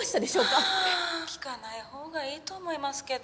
「ああ聞かないほうがいいと思いますけど」